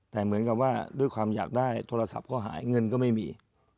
แต่เหมือนกับว่าด้วยความอยากได้โทรศัพท์ก็หายเงินก็ไม่มี